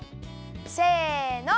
せの！